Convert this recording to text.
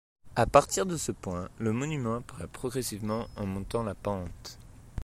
À partir de ce point, le monument apparaît progressivement en montant la pente.